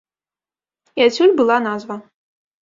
І адсюль была назва.